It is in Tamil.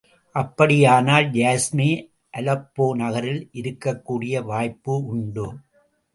அப்படியானால், யாஸ்மி அலெப்போ நகரில் இருக்கக்கூடிய வாய்ப்பு உண்டு.